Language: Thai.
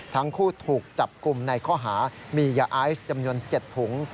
ทั้งคู่ถูกจับกลุ่มในข้อหามียาไอซ์จำนวน๗ถุง